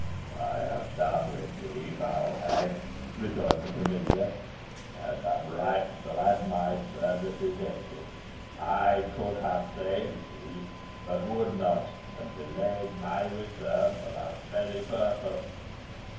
"I have done with thee, foul hag," rejoined the familiar, "and am right glad my service is ended. I could have saved thee, but would not, and delayed my return for that very purpose.